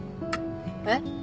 えっ？